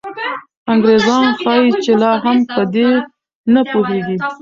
انګریزان ښایي چې لا هم په دې نه پوهېږي.